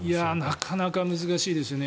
なかなか難しいですよね。